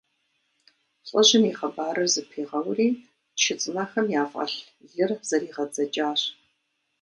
ЛӀыжьым и хъыбарыр зэпигъэури, чы цӀынэхэм яфӀэлъ лыр зэригъэдзэкӀащ.